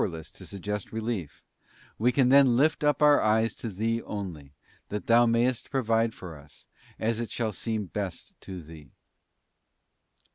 less to suggest relief, we can then lift up our eyes to Thee only, that Thou mayest provide for us, as it shall seem best to Thee.